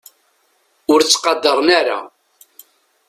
Ur ttqadaren ara.